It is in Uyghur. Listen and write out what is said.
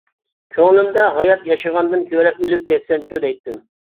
كۆڭلۈمدە ھايات ياشىغاندىن كۆرە ئۆلۈپ كەتسەمچۇ دەيتتىم.